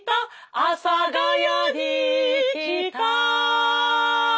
「阿佐ヶ谷に来た」